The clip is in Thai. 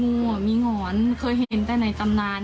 งูมีหงอนเคยเห็นแต่ในตำนาน